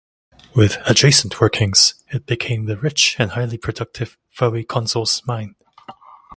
With adjacent workings it became the rich and highly productive Fowey Consols mine.